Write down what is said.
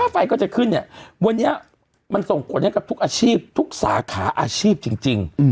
ไฟก็จะขึ้นเนี่ยวันนี้มันส่งผลให้กับทุกอาชีพทุกสาขาอาชีพจริง